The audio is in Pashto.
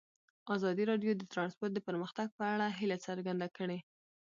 ازادي راډیو د ترانسپورټ د پرمختګ په اړه هیله څرګنده کړې.